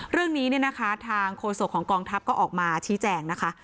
เรื่องนี้เนี่ยนะคะทางโฆษกของกองทัพก็ออกมาชี้แจงนะคะ